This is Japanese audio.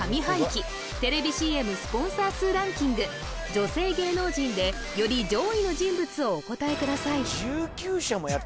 女性芸能人でより上位の人物をお答えください